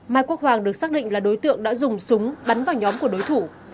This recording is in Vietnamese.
mai quốc hoàng được xác định là đối tượng đã dùng súng bắn vào nhóm của đối thủ